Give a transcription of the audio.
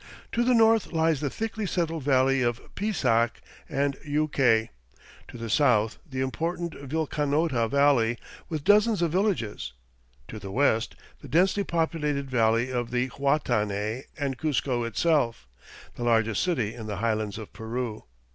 To the north lies the thickly settled valley of Pisac and Yucay; to the south, the important Vilcanota Valley with dozens of villages; to the west the densely populated valley of the Huatanay and Cuzco itself, the largest city in the highlands of Peru.